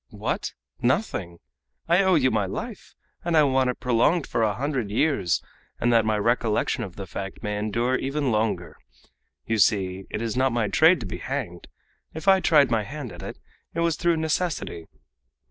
"What! nothing! I owe you my life, and I want it prolonged for a hundred years, and that my recollection of the fact may endure even longer! You see, it is not my trade to be hanged! If I tried my hand at it, it was through necessity.